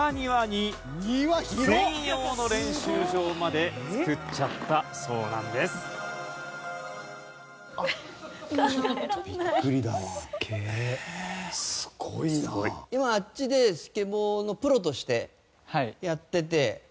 今あっちでスケボーのプロとしてやってて。